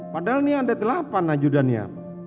padahal ini ada delapan ajudannya